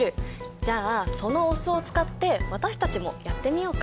じゃあそのお酢を使って私たちもやってみようか。